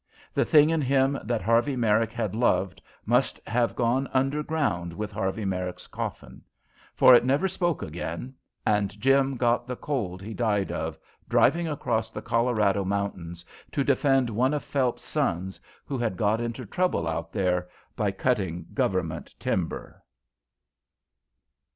The thing in him that Harvey Merrick had loved must have gone under ground with Harvey Merrick's coffin; for it never spoke again, and Jim got the cold he died of driving across the Colorado mountains to defend one of Phelps's sons who had got into trouble out there by cutting government timber.